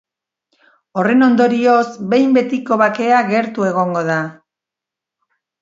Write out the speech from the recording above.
Horren ondorioz, behin betiko bakea gertu egongo da.